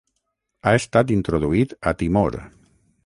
Ha estat introduït a Timor.